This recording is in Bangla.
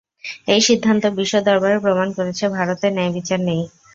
এই সিদ্ধান্ত বিশ্ব দরবারে প্রমাণ করেছে, ভারতে ন্যায়বিচার নেই।